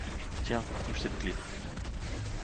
Tiens, touche cette clé.